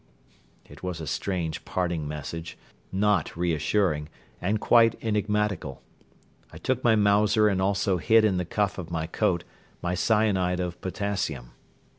It was a strange parting message, not reassuring and quite enigmatical. I took my Mauser and also hid in the cuff of my coat my cyanide of potassium.